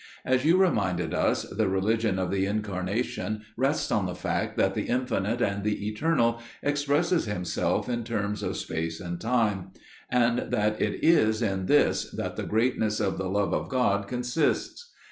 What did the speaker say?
As you reminded us, the Religion of the Incarnation rests on the fact that the Infinite and the Eternal expresses Himself in terms of space and time; and that it is in this that the greatness of the Love of God consists.